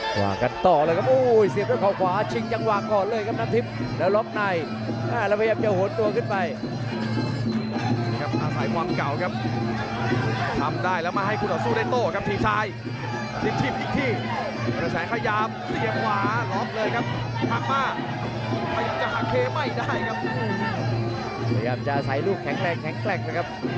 พยายามจะอาศัยลูกแข็งแรงแข็งแกรกนะครับครับ